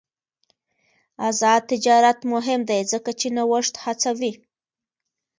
آزاد تجارت مهم دی ځکه چې نوښت هڅوي.